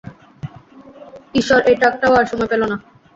ঈশ্বর, এই ট্রাকটাও আর সময় পেলো না!